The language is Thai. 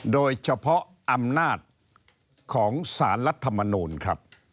โดยเฉพาะอำนาจของศาลรัฐธรรมนุนครับ